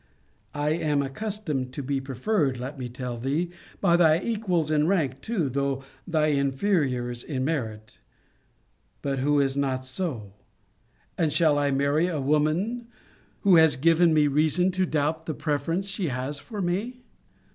I am accustomed to be preferred, let me tell thee, by thy equals in rank too, though thy inferiors in merit: But who is not so? And shall I marry a woman, who has given me reason to doubt the preference she has for me?